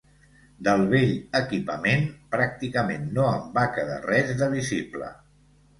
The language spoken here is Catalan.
Del vell equipament, pràcticament no en va quedar res de visible.